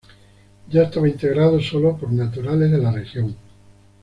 Ya estaba integrado sólo por naturales de la región.